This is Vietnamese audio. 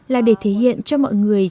là để thể hiện cho mọi người